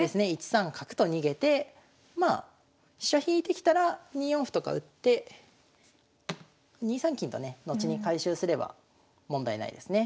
１三角と逃げてまあ飛車引いてきたら２四歩とか打って２三金とね後に回収すれば問題ないですね。